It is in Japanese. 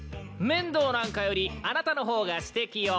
「面堂なんかよりあなたの方がすてきよ」